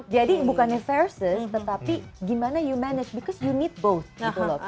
jadi bukannya versus tetapi gimana you manage because you need both gitu loh